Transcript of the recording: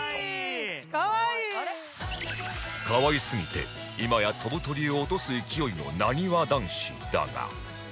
可愛すぎて今や飛ぶ鳥を落とす勢いのなにわ男子だが